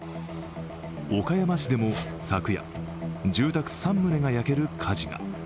岡山市でも昨夜、住宅３棟が焼ける火事が。